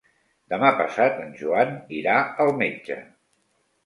Demà passat en Joan irà al metge.